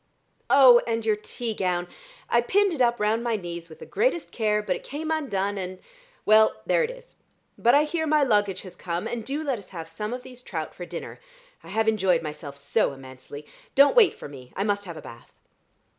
Oh, and your tea gown! I pinned it up round my knees with the greatest care, but it came undone, and, well there it is. But I hear my luggage has come, and do let us have some of these trout for dinner. I have enjoyed myself so immensely. Don't wait for me: I must have a bath!"